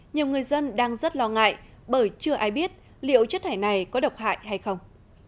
nhiều người dân đang rất lo ngại bởi chưa ai biết liệu chất thải này có độc hại hay không